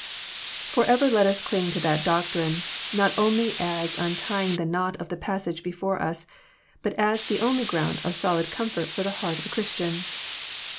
Forever let us cling to that doctrine, not only as untying the knot of the passage before us, but as the only ground of solid comfort for the heart of a Christian.